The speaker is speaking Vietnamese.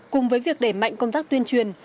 cùng với việc để mạnh công tác tuyên truyền